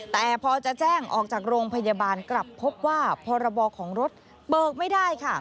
แต่พอจะแจ้งออกจากโรงพยาบาลกลับพบว่าพรบของรถเบิกไม่ได้ค่ะ